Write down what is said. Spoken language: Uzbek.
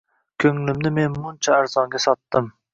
Ko‘nglimni men muncha arzonga sotdim